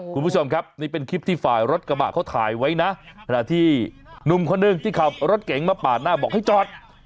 คุณผู้ชมครับนี่เป็นคลิปที่ฝ่ายรถกระบะเขาถ่ายไว้นะขณะที่หนุ่มคนหนึ่งที่ขับรถเก๋งมาปาดหน้าบอกให้จอด